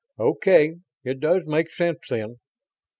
"Okay, it does make sense, then."